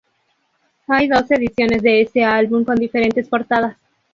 Hay dos ediciones de este álbum, con diferentes portadas.